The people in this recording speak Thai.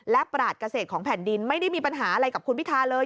และปราศเกษตรของแผ่นดินไม่ได้มีปัญหาอะไรกับคุณพิทาเลย